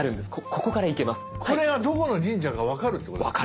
これがどこの神社か分かるってことですか？